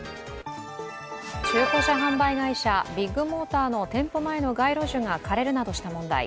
中古車販売会社ビッグモーターの店舗前の街路樹が枯れるなどした問題